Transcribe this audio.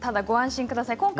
ご安心ください。